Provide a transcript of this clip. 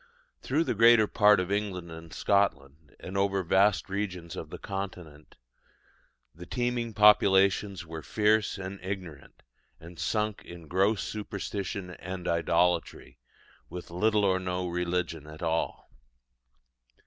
Through the greater part of England and Scotland, and over vast regions of the Continent, the teeming populations were fierce and ignorant, and sunk in gross superstition and idolatry, or with little or no religion at all.